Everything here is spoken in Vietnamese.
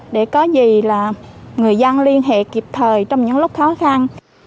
để có gì là người dân liên hệ kịp thời trong những lúc khó khăn